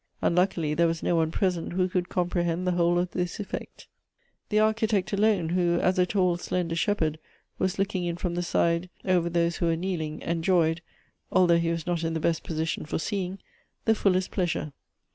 Unluckily, there was no one present who could comprehend the whole of this effect. The Architect alone, who, as a tall, slender shep herd, was looking in from the side over those who were kneeling, enjoyed, although he was not in the best posi tion for seeing, the fullest pleasure.